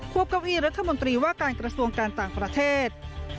เก้าอี้รัฐมนตรีว่าการกระทรวงการต่างประเทศ